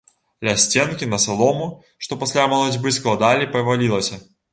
Ля сценкі на салому, што пасля малацьбы складалі, павалілася.